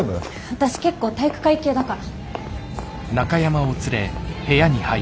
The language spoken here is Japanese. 私結構体育会系だから。